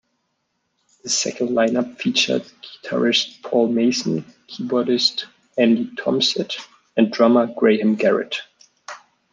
The second line-up featured guitarist Paul Mason, keyboardist Andy Tompsett, and drummer Graham Garrett.